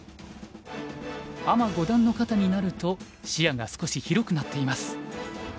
アマ５段の方になると視野が少し広くなっています。